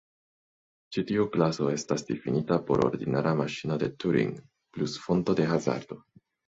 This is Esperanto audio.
Ĉi tiu klaso estas difinita por ordinara maŝino de Turing plus fonto de hazardo.